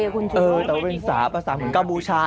เออแต่ว่าเป็นภาษาของกาบูชา